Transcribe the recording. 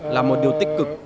là một điều tích cực